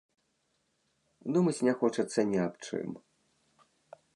Думаць не хочацца ні аб чым.